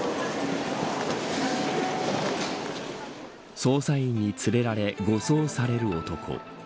捜査員に連れられ護送される男。